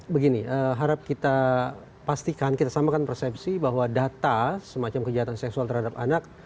begini harap kita pastikan kita samakan persepsi bahwa data semacam kejahatan seksual terhadap anak